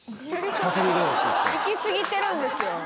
いきすぎてるんですよ。